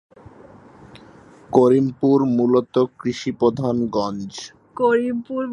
করিমপুর মূলত কৃষিপ্রধান গঞ্জ।